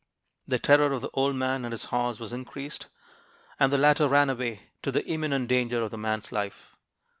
"The terror of the old man and his horse was increased; and the latter ran away, to the imminent danger of the man's life.